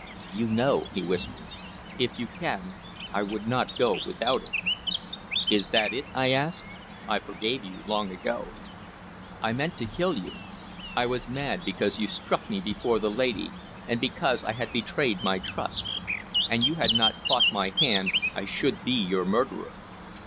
"You know," he whispered. "If you can... I would not go without it." "Is it that?" I asked. "I forgave you long ago." "I meant to kill you. I was mad because you struck me before the lady, and because I had betrayed my trust. An you had not caught my hand, I should be your murderer."